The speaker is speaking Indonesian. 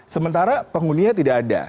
sementara pengguninya tidak ada